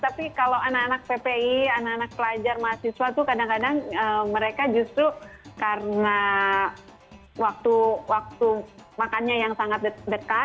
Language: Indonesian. tapi kalau anak anak ppi anak anak pelajar mahasiswa itu kadang kadang mereka justru karena waktu makannya yang sangat dekat